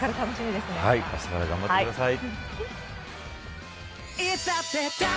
あしたから頑張ってください。